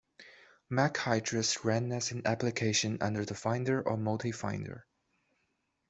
MacIdris ran as an application under the Finder or Multifinder.